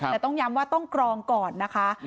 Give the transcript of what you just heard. แต่ต้องย้ำว่าต้องกรองก่อนนะคะ